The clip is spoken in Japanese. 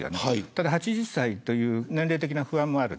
ただ、８０歳という年齢的不安もある。